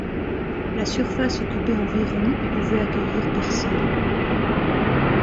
La surface occupait environ et pouvait accueillir personnes.